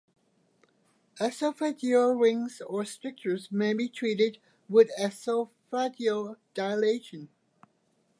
Esophageal rings or strictures may be treated with esophageal dilation.